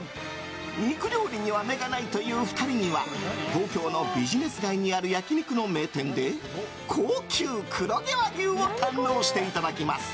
肉料理には目がないという２人には東京のビジネス街にある焼き肉の名店で高級黒毛和牛を堪能していただきます。